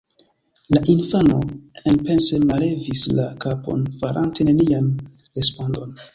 La infano enpense mallevis la kapon, farante nenian respondon.